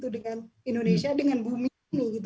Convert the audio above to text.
dengan indonesia dengan bumi